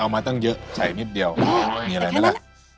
มาตั้งเยอะใส่นิดเดียวมีอะไรไหมล่ะ